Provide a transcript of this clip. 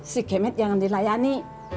si kemet jangan dilayani